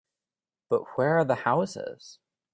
But where are the houses?